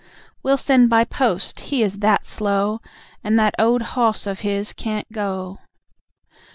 We'll send by post, he is that slow. And that owd hoss of his can't go."